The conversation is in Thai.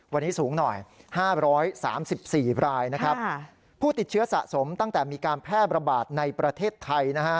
วันนี้สูงหน่อย๕๓๔รายนะครับผู้ติดเชื้อสะสมตั้งแต่มีการแพร่ระบาดในประเทศไทยนะฮะ